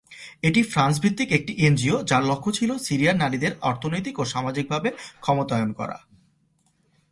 এটি ফ্রান্স ভিত্তিক একটি এনজিও যার লক্ষ্য ছিল সিরিয়ার নারীদের অর্থনৈতিক ও সামাজিকভাবে ক্ষমতায়ন করা।